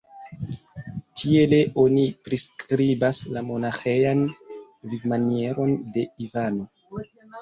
Tiele oni priskribas la monaĥejan vivmanieron de Ivano.